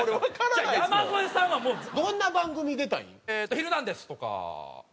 『ヒルナンデス！』とか。